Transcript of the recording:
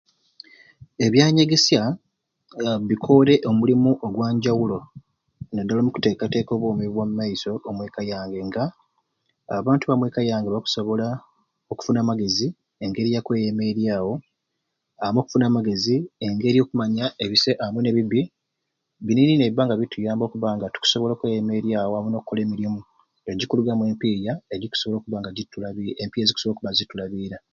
Ebyanyegesya a bikoore omulimu ogwanjawulo naddala omukuteekateeka obwoomi bwa mu maiso omweka yange nga abantu ba mweka yange bakusobola okufuna amagezi engeri ya kweyemeryawo amwe no kufuna amagezi engeri okumanya ebisai amwe ne bibbi bini ni nibituyamba okubba nga tukusobola okweyemeryawo amwe n'okkola emirimu egikulugamu empiiya ebikusobola okubba nga zikutulaburira empiiya ebikusobola okutulabirira